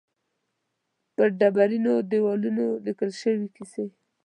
پر ډبرینو دېوالونو لیکل شوې کیسې.